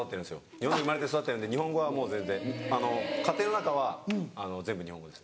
日本で生まれて育ってるんで日本語はもう全然家庭の中は全部日本語です。